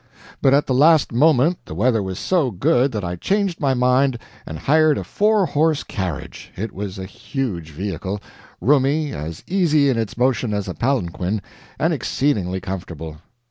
But at the last moment the weather was so good that I changed my mind and hired a four horse carriage. It was a huge vehicle, roomy, as easy in its motion as a palanquin, and exceedingly comfortable.